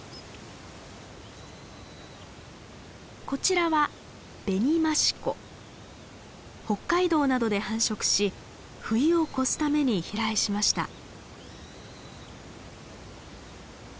こちらは北海道などで繁殖し冬を越すために飛来しました。